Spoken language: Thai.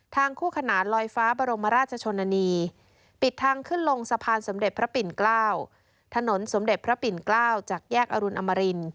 ถนนสำเด็ดพระปิ่นเกล้าจากแยกอรุณอมริน